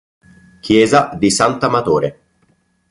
Chiesa di Sant'Amatore